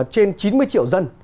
trên chín mươi triệu dân